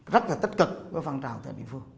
rất là tích cực với phong trào tại địa phương